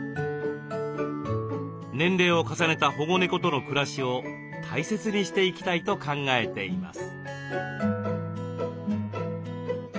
年齢を重ねた保護猫との暮らしを大切にしていきたいと考えています。